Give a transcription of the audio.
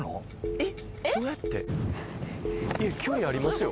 えっ？